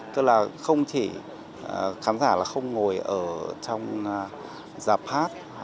tức là không chỉ khán giả không ngồi ở trong giáp hát